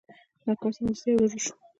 دا کار سمدستي او ژر وشو.